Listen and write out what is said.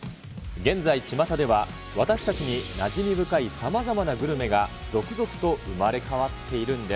現在、ちまたでは私たちになじみ深いさまざまなグルメが、続々と生まれ変わっているんです。